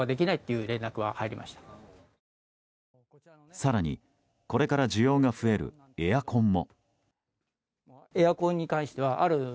更に、これから需要が増えるエアコンも。